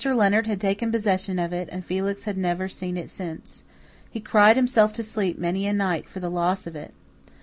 Leonard had taken possession of it and Felix had never seen it since. He cried himself to sleep many a night for the loss of it.